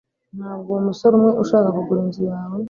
Ntabwo uwo musore umwe ushaka kugura inzu yawe